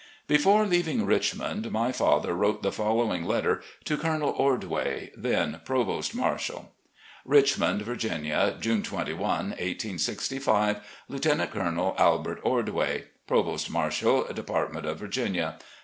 '' Before leaving Richmond, my father wrote the following letter to Colonel Ordway, then Provost Marshal: "Richmond, Virginia, June 21, 1865. "Lt. Col. Albert Ordway, "Provost Marshal, Department of Virginia.